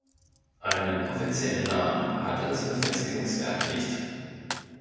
Einen offiziellen Namen hatte das Befestigungswerk nicht.